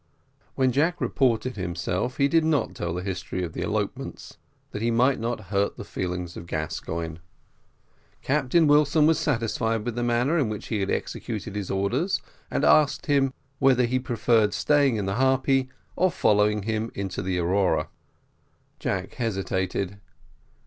When Jack reported himself he did not tell the history of the elopements, that he might not hurt the feelings of Gascoigne. Captain Wilson was satisfied with the manner in which he had executed his orders, and asked him, "whether he preferred staying in the Harpy or following him into the Aurora." Jack hesitated.